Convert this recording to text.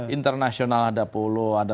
internasional ada polo ada